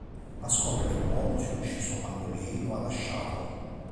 Ma scopre che l'uomo si è ucciso quando lei lo ha lasciato.